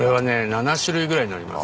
７種類ぐらいのります。